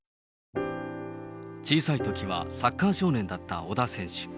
小さいときはサッカー少年だった小田選手。